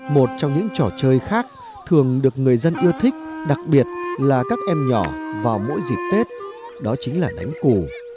một trong những trò chơi khác thường được người dân ưa thích đặc biệt là các em nhỏ vào mỗi dịp tết đó chính là đánh củ